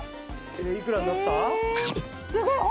いくらになった？